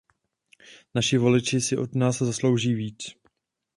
Naši voliči si od nás zaslouží víc.